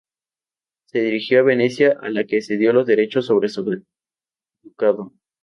Se dirigió a Venecia a la que cedió los derechos sobre su ducado.